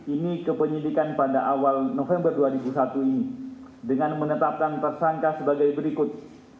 ini kepenyidikan pada awal november dua ribu satu ini dengan menetapkan tersangka sebagai berikut